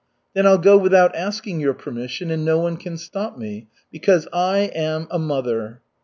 "Then I'll go without asking your permission, and no one can stop me. Because I am a mother!"